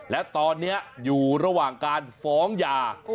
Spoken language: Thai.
และตอนนี้อยู่ระหว่างการฟ้องยา